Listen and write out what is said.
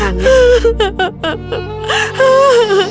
dan dia kembali menangis